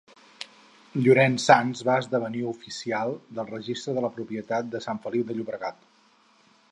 Llorenç Sans va esdevenir oficial del Registre de la Propietat de Sant Feliu de Llobregat.